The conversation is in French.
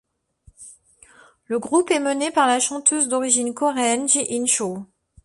Le groupe est mené par la chanteuse d'origine coréenne Ji-In Cho.